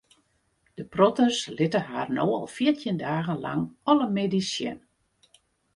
De protters litte har no al fjirtjin dagen lang alle middeis sjen.